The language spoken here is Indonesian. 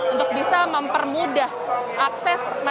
untuk bisa mempermudah akses